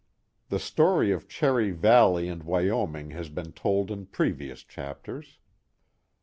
The story of Cherry Valley and Wyoming has been told in previous chapters.